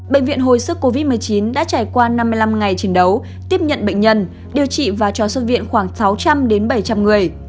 bệnh viện hồi sức covid một mươi chín đã trải qua năm mươi năm ngày chiến đấu tiếp nhận bệnh nhân điều trị và cho xuất viện khoảng sáu trăm linh bảy trăm linh người